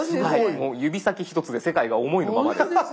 もう指先ひとつで世界が思いのままです。